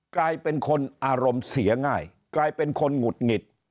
กลายเป็นคนอารมณ์เสียง่ายกลายเป็นคนหงุดหงิด